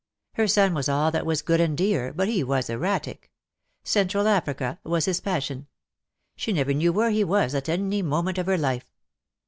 Her son was all that was good and dear, but he was erratic. Central Africa was his passion. She never knew where he was at any moment of her life.